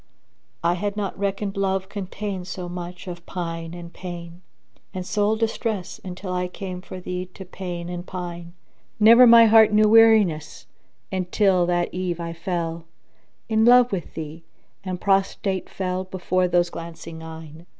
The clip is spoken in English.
I had not reckoned Love contained so much of pine and pain; * And soul distress until I came for thee to pain and pine Never my heart knew weariness, until that eve I fell * In love wi' thee, and prostrate fell before those glancing eyne!